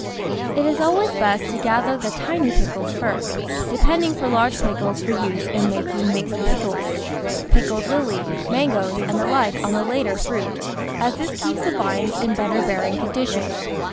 It is always best to gather the tiny pickles first, depending for large THE VEGETABLE GARDEN pickles for use in making mixed pickles, pickled lilly, mangoes, and the like on the later fruit, as this keeps the vines in better bearing condition.